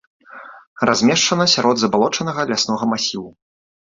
Размешчана сярод забалочанага ляснога масіву.